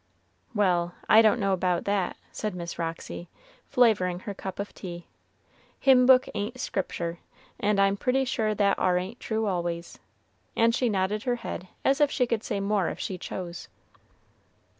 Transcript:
'" "Well, I don't know 'bout that," said Miss Roxy, flavoring her cup of tea; "hymn book ain't Scriptur', and I'm pretty sure that ar ain't true always;" and she nodded her head as if she could say more if she chose.